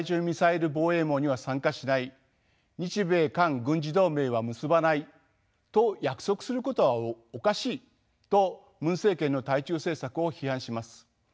ミサイル防衛網には参加しない日米韓軍事同盟は結ばないと約束することはおかしいとムン政権の対中政策を批判します。